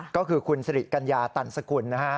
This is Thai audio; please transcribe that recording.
ก็คือคุณศรีตกัญญาตันศกุล